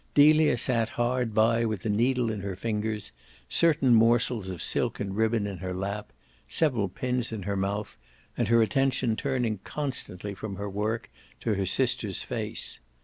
Delia sat hard by with a needle in her fingers, certain morsels of silk and ribbon in her lap, several pins in her mouth, and her attention turning constantly from her work to her sister's face.